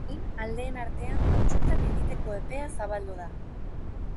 Orain, aldeen artean kontsultak egiteko epea zabaldu da.